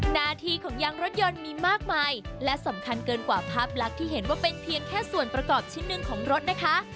หน้าที่ของยางรถยนต์มีมากมายและสำคัญเกินกว่าภาพลักษณ์ที่เห็นว่าเป็นเพียงแค่ส่วนประกอบชิ้นหนึ่งของรถนะคะ